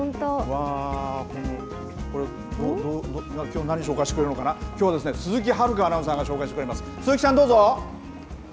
わー、この、きょう何紹介してるのかな、きょうは、鈴木遥アナウンサーが紹介してくれます。